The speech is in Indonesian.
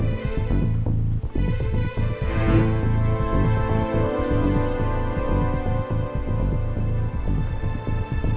dan membutuhkan pembantu kes animal log cared act